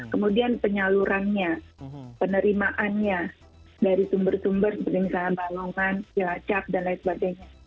kemudian penyalurannya penerimaannya dari sumber sumber seperti misalnya balongan cilacap dan lain sebagainya